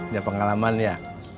dia pengalaman ya